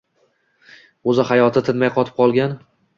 O'z hayoti tinmay qotib qolgan